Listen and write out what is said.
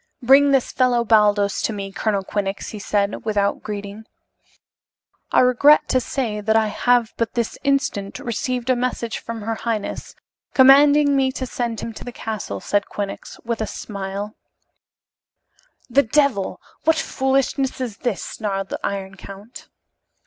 "Bring this fellow Baldos to me, Colonel Quinnox," he said, without greeting. "I regret to say that I have but this instant received a message from her highness, commanding me to send him to the castle," said Quinnox, with a smile. "The devil! What foolishness is this?" snarled the Iron Count.